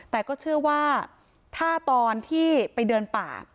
แต่ก็เชื่อว่าถ้าตอนที่ไปเดินป่า